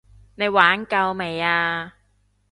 你玩夠未啊？